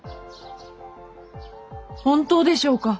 本当でしょうか？